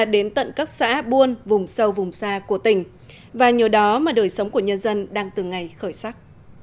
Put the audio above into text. đến tận các xã buôn vùng sâu vùng xa của tỉnh và nhờ đó mà đời sống của nhân dân đang từng ngày khởi sắc